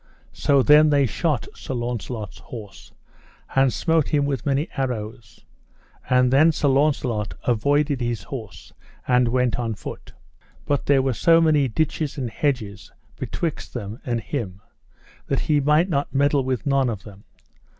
So then they shot Sir Launcelot's horse, and smote him with many arrows; and then Sir Launcelot avoided his horse, and went on foot; but there were so many ditches and hedges betwixt them and him that he might not meddle with none of them.